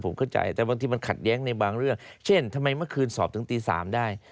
ผมเข้าใจแต่บางทีมันขัดแย้งในบางเรื่องเช่นทำไมเมื่อคืนสอบถึงตี๓ได้